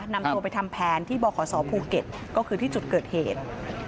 นำตัวไปทำแผนที่บขศภูเก็ตก็คือที่จุดเกิดเหตุ